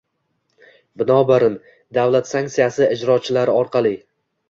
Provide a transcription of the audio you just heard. Binobarin, davlat sanksiya ijrochilari orqali